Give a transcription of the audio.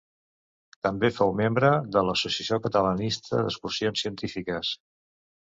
També fou membre de l'Associació Catalanista d'Excursions Científiques.